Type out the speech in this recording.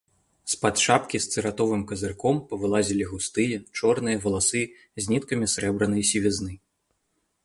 З-пад шапкі з цыратовым казырком павылазілі густыя, чорныя валасы з ніткамі срэбранай сівізны.